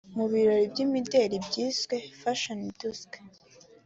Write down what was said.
Mu birori by’imideli byiswe “Fashion Dusk”